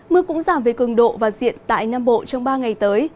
mưa cũng giảm về cường độ và diện tại nam bộ trong ba ngày tới